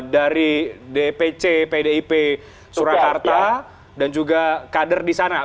dari dpc pdip surakarta dan juga kader di sana